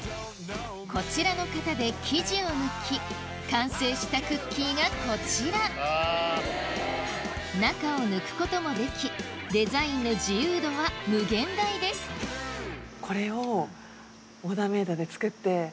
こちらの型で生地を抜き完成したクッキーがこちら中を抜くこともできデザインの自由度は無限大ですいいっすねあっなるほど。